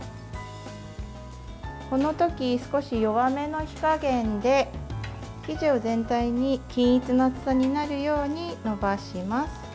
この時、少し弱めの火加減で生地を全体に、均一の厚さになるように延ばします。